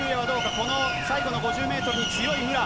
この最後の５０メートルに強い武良。